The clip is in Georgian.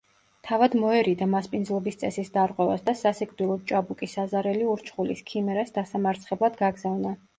თავად მოერიდა მასპინძლობის წესის დარღვევას და სასიკვდილოდ ჭაბუკი საზარელი ურჩხულის, ქიმერას, დასამარცხებლად გაგზავნა.